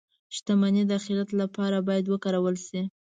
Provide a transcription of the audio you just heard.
• شتمني د آخرت لپاره باید وکارول شي.